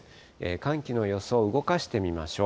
寒気の予想、動かしてみましょう。